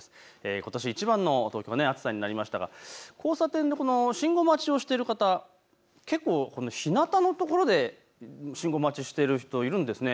ことしいちばんの暑さになりましたが交差点で信号待ちをしている方、ひなたのところで信号待ちしている人、いるんですね。